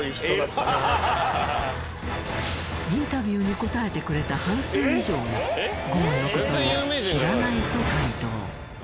インタビューに答えてくれた半数以上がゴーンの事を知らないと回答。